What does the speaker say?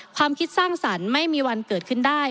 ความคิดสร้างสรรค์ไม่มีวันเกิดขึ้นได้